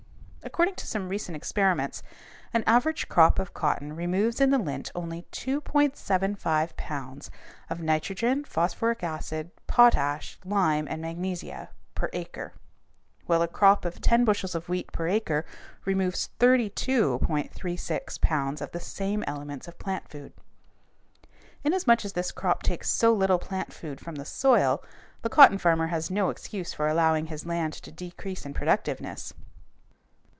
According to some recent experiments an average crop of cotton removes in the lint only 2.75 pounds of nitrogen, phosphoric acid, potash, lime, and magnesia per acre, while a crop of ten bushels of wheat per acre removes 32.36 pounds of the same elements of plant food. Inasmuch as this crop takes so little plant food from the soil, the cotton farmer has no excuse for allowing his land to decrease in productiveness.